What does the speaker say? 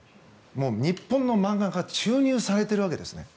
日本の漫画が注入されてるわけですね。